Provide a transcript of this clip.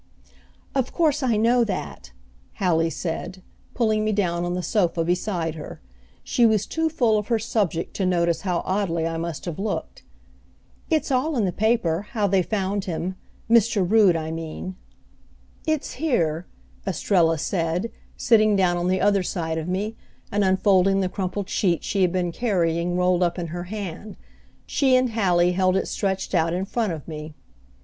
"Of course I know that," Hallie said, pulling me down on the sofa beside her. She was too full of her subject to notice how oddly I must have looked. "It's all in the paper, how they found him Mr. Rood, I mean." "It's here," Estrella said, sitting down on the other side of me, and unfolding the crumpled sheet she had been carrying rolled up in her hand. She and Hallie held it stretched out in front of me.